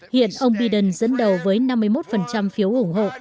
hiện ông biden dẫn đầu với năm mươi một phiếu ủng hộ